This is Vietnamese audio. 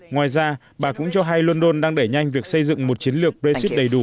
ngoài ra bà cũng cho hay london đang đẩy nhanh việc xây dựng một chiến lược brexit đầy đủ